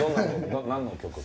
何の曲？